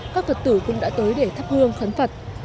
các phật tử cũng đã tới để thắp hương khấn phật